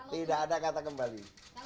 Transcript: tidak ada kata kembali